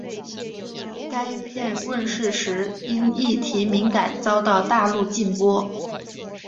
该片问世时因议题敏感遭到大陆禁播。